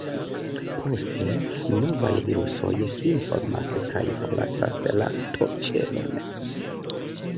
Poste novaj virusoj sin formas kaj forlasas la T-ĉelon.